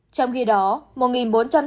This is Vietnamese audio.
trong khi đó một bốn trăm linh trường hợp